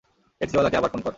টেক্সিওয়ালাকে আবার ফোন কর।